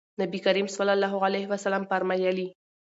نبي کريم صلی الله عليه وسلم فرمايلي: